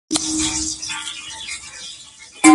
افغانستان د اوبزین معدنونه له امله شهرت لري.